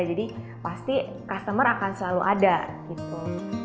pasti customer akan selalu ada gitu